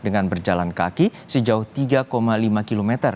dengan berjalan kaki sejauh tiga lima km